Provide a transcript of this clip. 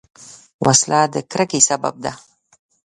وسله د کرکې سبب ده